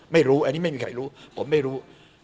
ไม่รู้อันนี้ไม่มีใครรู้ผมไม่รู้